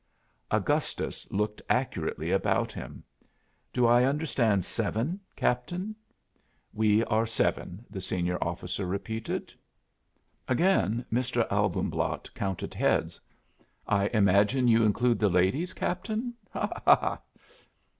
Augustus looked accurately about him. "Do I understand seven, Captain?" "We are seven," the senior officer repeated. Again Mr. Albumblatt counted heads. "I imagine you include the ladies, Captain? Ha! ha!"